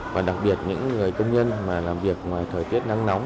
và đặc biệt những người công nhân mà làm việc ngoài thời tiết nắng nóng